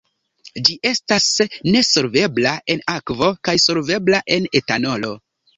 Ĝi estas nesolvebla en akvo kaj solvebla en etanolo.